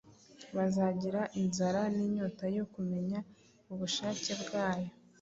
bazagira inzara n’inyota yo kumenya ubushake bwayo.